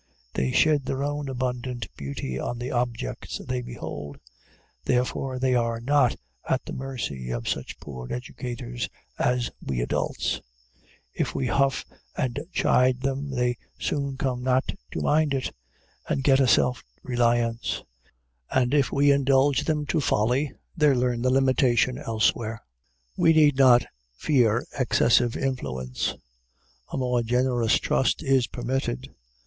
They shed their own abundant beauty on the objects they behold. Therefore, they are not at the mercy of such poor educators as we adults. If we huff and chide them, they soon come not to mind it, and get a self reliance; and if we indulge them to folly, they learn the limitation elsewhere. We need not fear excessive influence. A more generous trust is permitted.